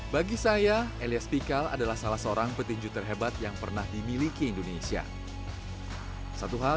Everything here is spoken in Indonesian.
bagi saya elias pikal adalah salah seorang petinju terhebat yang pernah dimiliki indonesia satu hal